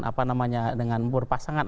apa namanya dengan berpasangan